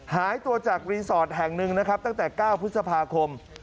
หายตัวจากรีสอร์ทแห่งหนึ่งนะครับตั้งแต่๙พฤษภาคม